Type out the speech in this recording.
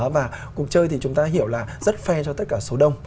và cuộc chơi thì chúng ta hiểu là rất fai cho tất cả số đông